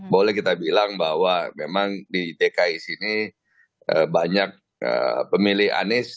boleh kita bilang bahwa memang di dki sini banyak pemilih anies